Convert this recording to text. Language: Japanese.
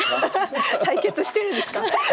対決してるんですか？